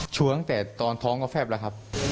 ตั้งแต่ตอนท้องก็แฟบแล้วครับ